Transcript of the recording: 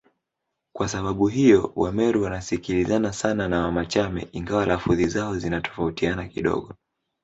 Kwa sababu hiyo Wameru wanasikilizana sana na Wamachame ingawa lafudhi zao zinatofautiana kidogo